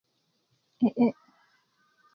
ee eé